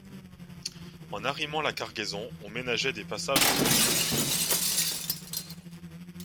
En arrimant la cargaison, on ménageait des passages entre les colis.